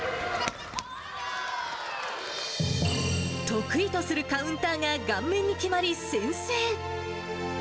得意とするカウンターが顔面に決まり、先制。